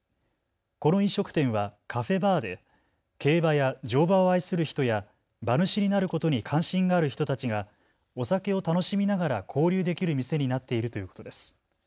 この飲食店はカフェバーで競馬や乗馬を愛する人や馬主になることに関心がある人たちがお酒を楽しみながら交流できる店になっているということです。